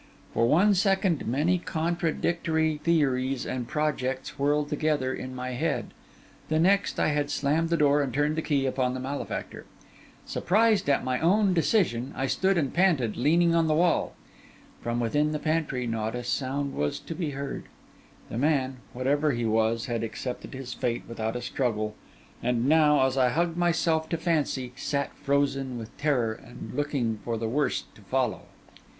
For one second many contradictory theories and projects whirled together in my head; the next, I had slammed the door and turned the key upon the malefactor. Surprised at my own decision, I stood and panted, leaning on the wall. From within the pantry not a sound was to be heard; the man, whatever he was, had accepted his fate without a struggle, and now, as I hugged myself to fancy, sat frozen with terror and looking for the worst to follow.